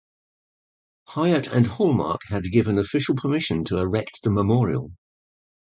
Hyatt and Hallmark had given official permission to erect the memorial.